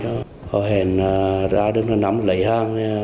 họ hẹn ra đứng đó nắm lấy hàng